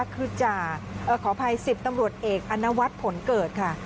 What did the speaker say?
คือจ่าขออภัย๑๐ตำรวจเอกอนวัฒน์ผลเกิดค่ะ